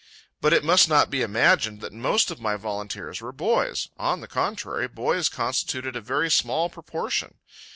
But it must not be imagined that most of my volunteers were boys; on the contrary, boys constituted a very small proportion.